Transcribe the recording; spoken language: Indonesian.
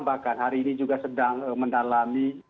bahkan hari ini juga sedang mendalami